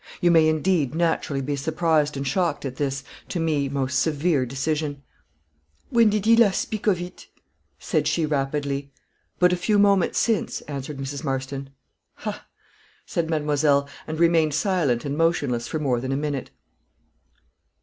"You may, indeed, naturally be surprised and shocked at this, to me, most severe decision." "When did he speak last of it?" said she, rapidly. "But a few moments since," answered Mrs. Marston. "Ha," said mademoiselle, and remained silent and motionless for more than a minute.